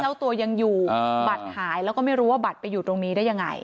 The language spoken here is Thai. เจ้าตัวยังอยู่บัตรหายแล้วก็ไม่รู้ว่าบัตรไปอยู่ตรงนี้ได้ยังไง